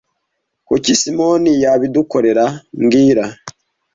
Kuki Simoni yabidukorera mbwira